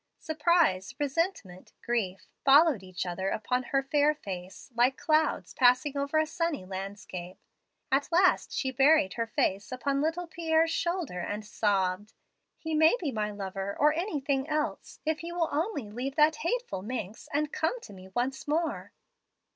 Surprise, resentment, grief, followed each other upon her fair face, like clouds passing over a sunny landscape. At last she buried her face upon little Pierre's shoulder, and sobbed, 'He may be my lover, or anything else, if he will only leave that hateful minx and come to me once more.'